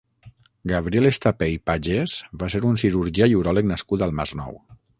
Gabriel Estapé i Pagès va ser un cirurgià i uròleg nascut al Masnou.